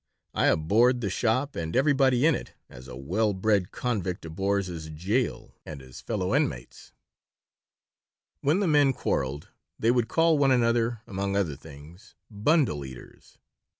I abhorred the shop and everybody in it as a well bred convict abhors his jail and his fellow inmates When the men quarreled they would call one another, among other things, "bundle eaters."